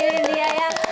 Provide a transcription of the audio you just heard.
ini dia ya